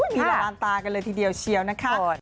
ที่ละลานตากันเลยทีเดียวเชียวนะคะ